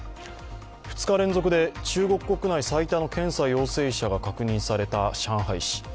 ２日連続で中国国内最多の検査感染者が確認された上海市。